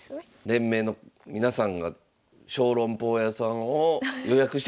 連盟の皆さんが小籠包屋さんを予約してたのかもしれないですね。